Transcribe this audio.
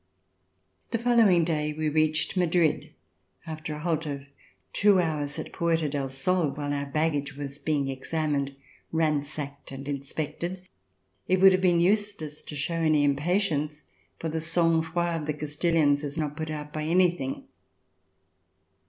The following day we reached Madrid, after a halt of two hours at Puerta del Sol, while our baggage was being examined, ransacked and inspected. It would have been useless to show any impatience for the smig froid of the Castilians is not put out by anything.